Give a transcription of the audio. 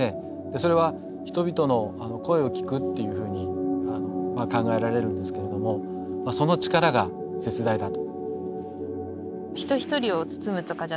それは人々の声を聞くっていうふうに考えられるんですけれどもその力が絶大だと。